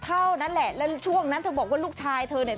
เท่านั้นแหละแล้วช่วงนั้นเธอบอกว่าลูกชายเธอเนี่ย